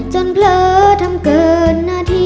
จนเปลื้อทำเกิน